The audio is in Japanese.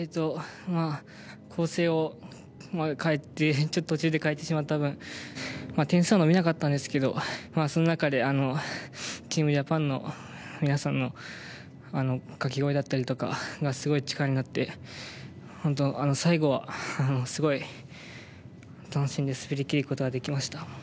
構成を途中で変えてしまった分点数は伸びなかったんですがその中でチームジャパンの皆さんの掛け声だったりとかがすごい力になって本当、最後はすごい楽しんで滑り切ることができました。